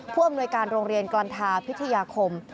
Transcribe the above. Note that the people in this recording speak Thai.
ผู้อำนวยการโรงเรียนกลันทาพิทยาคม